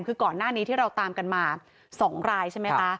คือก่อนหน้านี้ที่เราตามกันมา๒รายใช่ไหมคะ